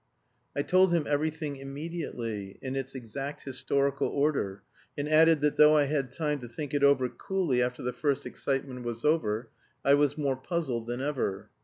I told him everything immediately, in its exact historical order, and added that though I had time to think it over coolly after the first excitement was over, I was more puzzled than ever.